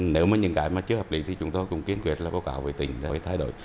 nếu mà những cái mà chưa hợp lý thì chúng tôi cũng kiên quyết là báo cáo